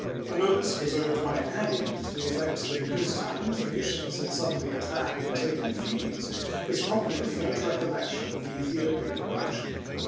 A notice preserved by Ammian, to the effect that ia his time the Phoenicians had suddenly attacked and taken Thebes, is probably a faint recollection of the Aethiopian invasion.